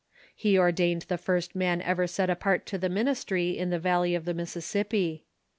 He ordained the first man ever set apart to the ministrj'^ in the valley of the Mississippi.